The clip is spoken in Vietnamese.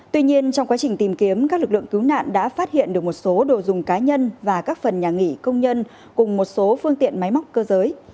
tuy nhiên trong quá trình tìm kiếm các lực lượng cứu nạn đã phát hiện được một số đồ dùng cá nhân và các phần nhà nghỉ công nhân cùng một số phương tiện máy móc cơ giới